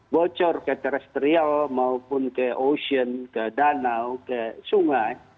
bocor ke terestrial maupun ke ocean ke danau ke sungai